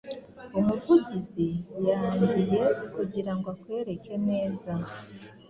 umuvugizi yaangiye kugirango akwereke neza